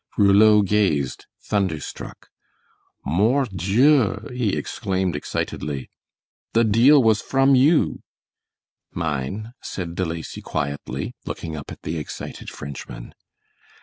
Rouleau gazed thunderstruck. "Mort Dieu!" he exclaimed, excitedly. "The deal was from you." "Mine," said De Lacy, quietly, looking up at the excited Frenchman.